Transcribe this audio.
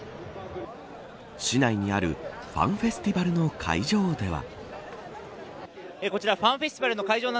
市内にあるファンフェスティバルの会場では。